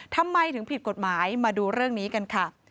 ทำไมถึงผิดกฎหมายมาดูเรื่องนี้กันค่ะ